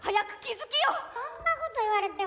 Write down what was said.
そんなこと言われても。